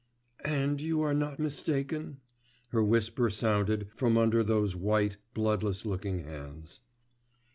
'And you are not mistaken?' her whisper sounded from under those white, bloodless looking hands.